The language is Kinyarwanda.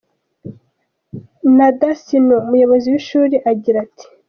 Nada Sinoo, umuyobozi w'ishuri, agira ati:.